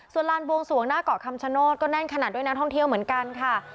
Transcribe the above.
ส่วนลานบวงสวงหน้าเกาะคำชโนธก็แน่นขนาดด้วยนักท่องเที่ยวเหมือนกันค่ะ